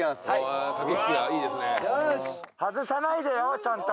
外さないでよちゃんと。